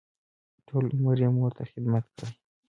ټول عمر یې مور ته خدمت کړی.